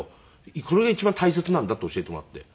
「これが一番大切なんだ」って教えてもらって。